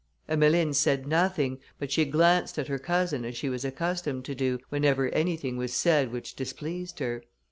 Emmeline said nothing, but she glanced at her cousin as she was accustomed to do, whenever anything was said which displeased her.